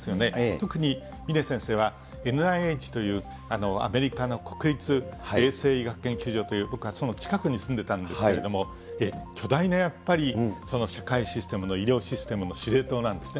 特に、峰先生は、ＮＩＨというアメリカの国立衛生医学研究所という、近くに住んでたんですけれども、巨大な社会システムの医療システムの司令塔なんですね。